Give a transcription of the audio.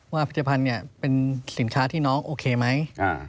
ผลิตภัณฑ์เป็นสินค้าที่น้องโอเคไหม